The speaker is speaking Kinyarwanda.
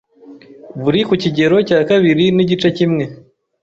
buri ku kigero cya kabiri n'igice kimwe